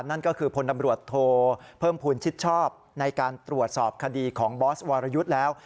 นั่นก็คือพลตำรวจโทเพิ่มภูมิชิดชอบในการตรวจสอบคดีของบอสวรยุทธ์แล้ว